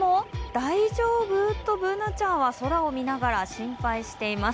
大丈夫とＢｏｏｎａちゃんは空を見ながら心配しています。